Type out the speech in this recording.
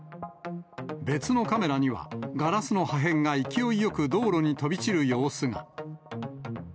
別のカメラには、ガラスの破片が勢いよく道路に飛び散る様子が。